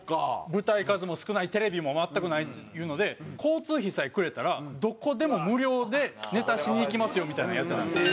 舞台数も少ないテレビも全くないっていうので交通費さえくれたらどこでも無料でネタしに行きますよみたいなんやってたんですよ。